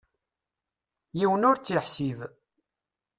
Yiwen ur tt-iḥsib.